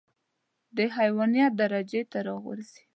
د حيوانيت درجې ته راغورځي.